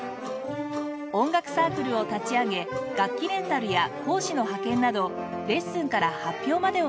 音楽サークルを立ち上げ楽器レンタルや講師の派遣などレッスンから発表までをサポート。